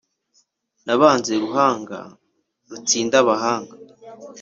nabanze ruhanga rutsinda amahanga,